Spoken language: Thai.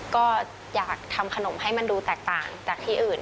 ก็อยากทำขนมให้มันดูแตกต่างจากที่อื่น